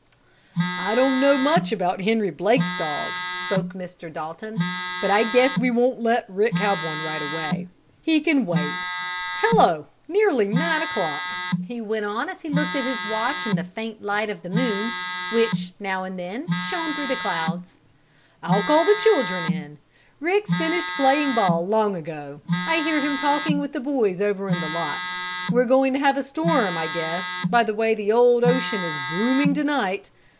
"I don't know much about Henry Blake's dog," spoke Mr. Dalton. "But I guess we won't let Rick have one right away. He can wait. Hello, nearly nine o'clock!" he went on, as he looked at his watch in the faint light of the moon, which, now and then, shone through the clouds. "I'll call the children in. Rick's finished playing ball long ago. I hear him talking with the boys over in the lots. We're going to have a storm, I guess, by the way the old ocean is booming to night.